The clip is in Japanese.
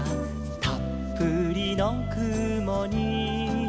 「たっぷりのくもに」